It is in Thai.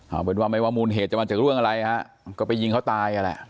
เอาเป็นว่าไม่ว่ามูลเหตุจะมาจากเรื่องอะไรฮะก็ไปยิงเขาตายอ่ะแหละ